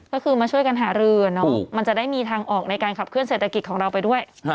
ก็คือมาช่วยกันหารือมันจะได้มีทางออกในการขับเคลื่อเศรษฐกิจของเราไปด้วย